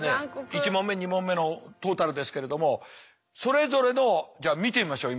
１問目２問目のトータルですけれどもそれぞれのを見てみましょう